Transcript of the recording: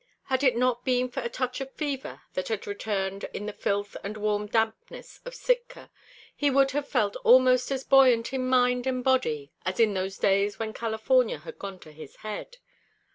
Had it not been for a touch of fever that had returned in the filth and warm dampness of Sitka, he would have felt almost as buoyant in mind and body as in those days when California had gone to his head.